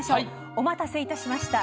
お待たせいたしました。